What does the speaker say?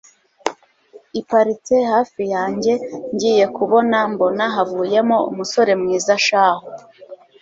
iparitse hafi yanjye ngiye kubona mbona havuyemo umusore mwiza shahu